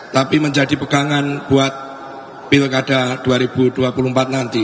tapi menjadi pegangan buat pilkada dua ribu dua puluh empat nanti